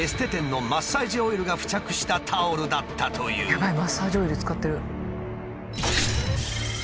やばいマッサージオイル使ってる。